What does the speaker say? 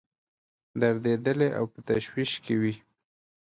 دردېدلي او په تشویش کې وي.